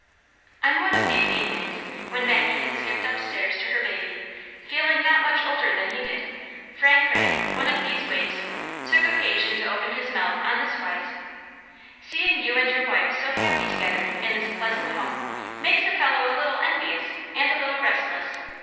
On one of these evenings, when Maggie had skipped up stairs to her baby, feeling not much older than he did, Frank Ray, one of these waifs, took occasion to open his mouth on this wise :—" Seeing you and your wife so happy together in this pleasant home makes a fellow a little envious 3S6 Aunt Janets Hero. and a little restless.